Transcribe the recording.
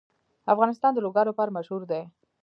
افغانستان د لوگر لپاره مشهور دی.